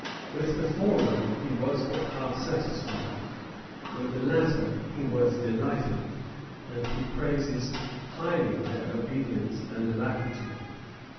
With the former he was but half satisfied; with the latter he was delighted; and he praises highly their obedience and alacrity.